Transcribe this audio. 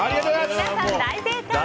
皆さん、大正解。